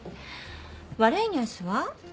悪いニュースは？